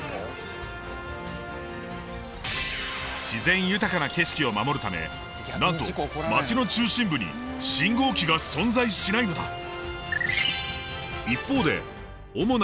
自然豊かな景色を守るためなんと街の中心部に信号機が存在しないのだ！